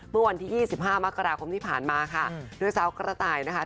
เมื่อวันที่๒๕มกราคมที่ผ่านมาค่ะโดยสาวกระต่ายนะคะ